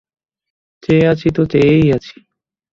চেয়ে আছি তো চেয়েই আছি!